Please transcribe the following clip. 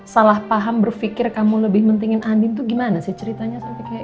salah paham berpikir kamu lebih mentingin andin tuh gimana sih ceritanya